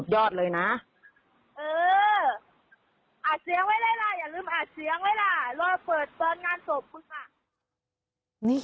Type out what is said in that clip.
เปิดเวลายานมหาคุณค่ะ